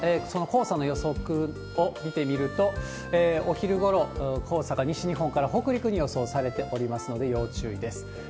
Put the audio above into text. その黄砂の予測を見てみると、お昼ごろ、黄砂が西日本から北陸に予想されておりますので、要注意です。